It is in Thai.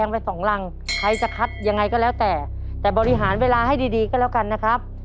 ไปสองรังใครจะคัดยังไงก็แล้วแต่แต่บริหารเวลาให้ดีดีก็แล้วกันนะครับ